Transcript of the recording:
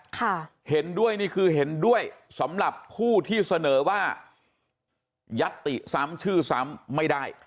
ค่ะเห็นด้วยนี่คือเห็นด้วยสำหรับผู้ที่เสนอว่ายัตติซ้ำชื่อซ้ำไม่ได้